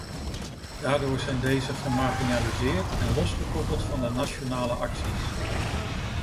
Daardoor zijn deze gemarginaliseerd en losgekoppeld van de nationale acties.